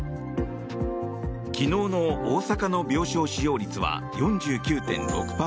昨日の大阪の病床使用率は４９．６％。